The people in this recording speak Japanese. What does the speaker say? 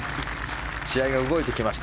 試合が動いてきました。